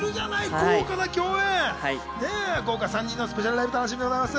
豪華３人のスペシャルライブ、楽しみでございます。